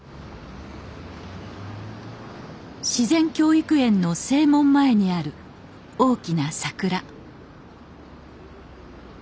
自然教育園の正門前にある大きな桜